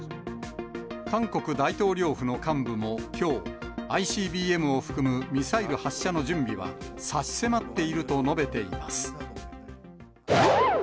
韓国大統領府の幹部も、きょう、ＩＣＢＭを含むミサイル発射の準備は、差し迫っていると述べています。